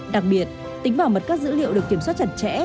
đặc biệt tính bảo mật các dữ liệu được kiểm soát chặt chẽ